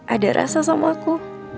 ada rasa sama aku